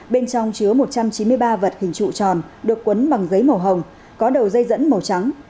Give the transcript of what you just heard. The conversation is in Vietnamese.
bên trong chứa một trăm chín mươi ba vật hình trụ tròn được quấn bằng giấy màu hồng có đầu dây dẫn màu trắng